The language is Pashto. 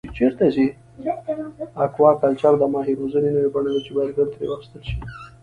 اکواکلچر د ماهي روزنې نوی بڼه ده چې باید ګټه ترې واخیستل شي.